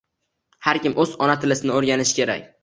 Har kim oʻz ona tilisini oʻrganishi kerak